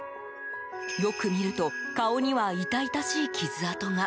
よく見ると顔には痛々しい傷痕が。